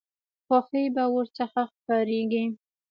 خوښي به ورڅخه ښکاریږي.